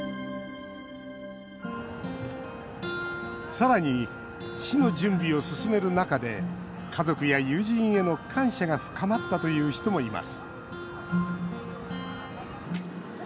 さらに死の準備を進める中で家族や友人への感謝が深まったという人もいます。